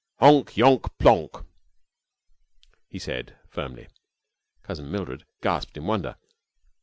"Honk. Yonk. Ponk," he said, firmly. Cousin Mildred gasped in wonder.